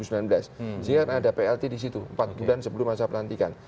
jadi kan ada plt di situ empat bulan sebelum masa pelantikan